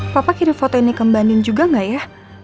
papa kirim foto ini kembandin juga gak ya